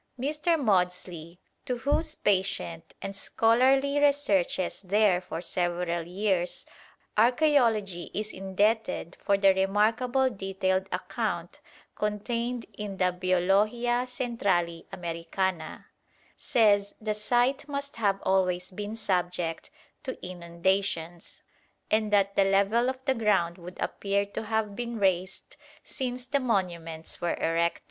Mr. Maudslay, to whose patient and scholarly researches there for several years archæology is indebted for the remarkable detailed account contained in the Biologia Centrali Americana, says the site must have always been subject to inundations, and that the level of the ground would appear to have been raised since the monuments were erected.